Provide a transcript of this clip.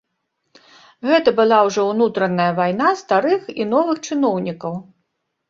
Гэта была ўжо ўнутраная вайна старых і новых чыноўнікаў.